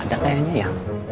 ada kayaknya ya